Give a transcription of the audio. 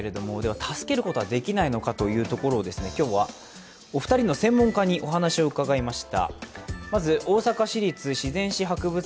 助けることはできないのかというところを今日はお二人の専門家にお話を伺いました。